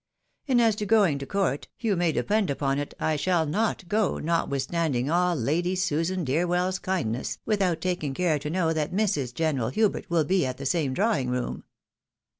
And as to going to court, you may depend upon it that I shall not go, notwith standing all Lady Susan Deerwell's kindness, without taking care to know that Mrs. General Hubert will be at the same drawing room.